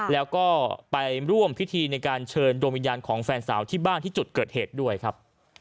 แล้วก็ไปร่วมพิธีในการเชิญดวงวิญญาณของแฟนสาวที่บ้านที่จุดเกิดเหตุด้วยครับ